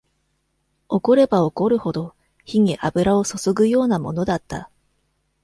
怒れば怒るほど、火に油を注ぐようなものだった。